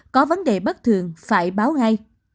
có vấn đề bất thường phải báo ngay